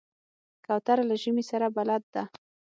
کوتره له ژمي سره بلد ده.